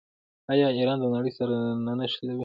آیا ایران د نړۍ سره نه نښلوي؟